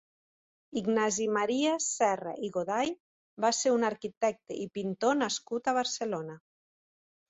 Ignasi Maria Serra i Goday va ser un arquitecte i pintor nascut a Barcelona.